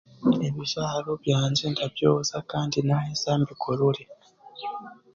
Ebijwaro byangye ndabyoza kandi naahisya mbigorore.